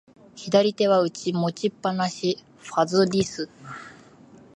左手は持ちっぱなし、ファズリウ。